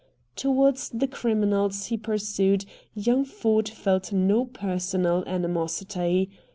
Toward the criminals he pursued young Ford felt no personal animosity.